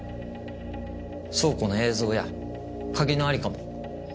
倉庫の映像や鍵の在りかも。